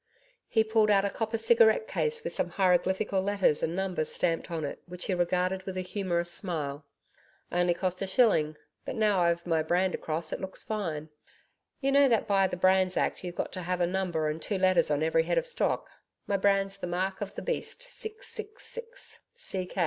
He pulled out a copper cigarette case with some hieroglyphical letters and numbers stamped on it, which he regarded with a humorous smile. 'Only cost a shilling, but now I've my brand across, it looks fine. You know that by the Brands Act you've got to have a number and two letters on every head of stock My brand's the Mark of the Beast 666 C.K.